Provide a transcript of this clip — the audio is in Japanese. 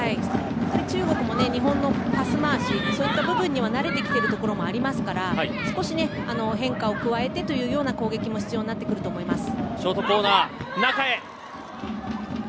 中国も日本のパス回しには慣れてきているところもありますから少し、変化を加えてというような攻撃も必要になってくると思います。